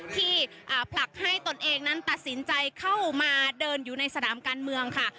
ที่ผลักให้ตนเองนั้นตัดสินใจเข้ามาเดินอยู่ในสนามการเมืองค่ะ